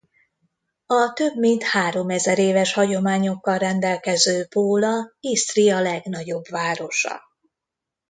A több mint háromezer éves hagyományokkal rendelkező Póla Isztria legnagyobb városa.